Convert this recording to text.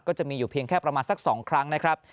จะมีอยู่เพียงแค่ประมาณสัก๒ครั้งนะครับ